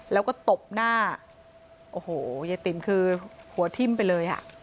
แล้วก็ตบหน้าโอ้โหยายติ๋มคือหัวทิ้มไปเลยอ่ะ